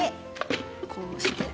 こうして。